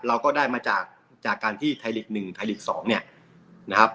เราก็ได้มาจากการที่ไทยลีก๑ไทยลีก๒เนี่ยนะครับ